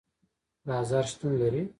بازار شتون لري